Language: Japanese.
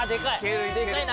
でかいな！